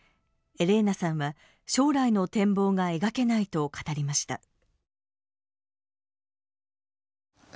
エレーナさんは将来の展望が描けないと語りました。